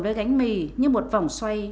với gánh mì như một vòng xoay